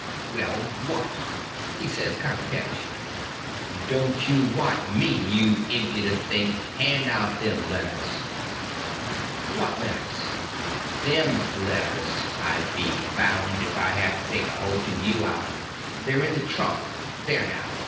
"Well—what?" he says, kind of pettish. "Don't you what me, you impudent thing—hand out them letters." "What letters?" "Them letters. I be bound, if I have to take a holt of you I'll—" "They're in the trunk. There, now.